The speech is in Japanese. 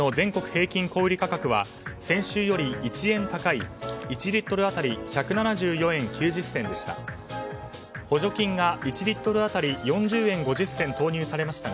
平均小売価格は先週より１円高い１リットル当たり１７４円９０銭でした。